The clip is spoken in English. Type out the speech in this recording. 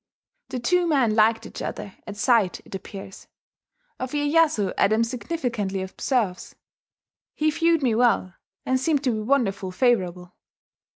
... The two men liked each other at sight, it appears. Of Iyeyasu, Adams significantly observes: "He viewed me well, and seemed to be wonderful favourable."